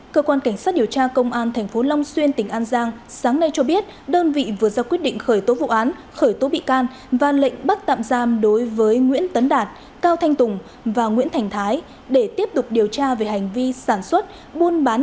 cơ quan cảnh sát điều tra công an tp long xuyên tỉnh an giang sáng nay cho biết đơn vị vừa ra quyết định khởi tố vụ án khởi tố bị can và lệnh bắt tạm giam đối với nguyễn tấn đạt cao thanh tùng và nguyễn thành thái để tiếp tục điều tra về hành vi sản xuất buôn bán